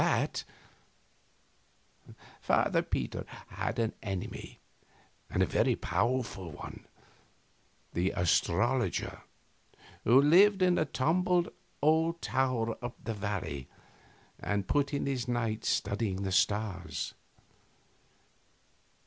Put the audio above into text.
Father Peter had an enemy and a very powerful one, the astrologer who lived in a tumbled old tower up the valley, and put in his nights studying the stars.